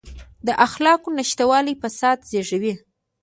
د اخلاقو نشتوالی فساد زېږوي.